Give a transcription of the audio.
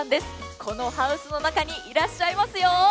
このハウスの中にいらっしゃいますよ。